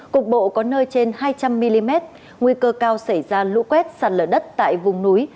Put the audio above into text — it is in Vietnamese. cục bộ có nơi trên hai trăm linh mm nguy cơ cao xảy ra lũ quét sạt lở đất tại vùng núi